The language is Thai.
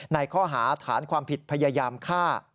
ในข้อหาฐานความผิดพยายามฆ่า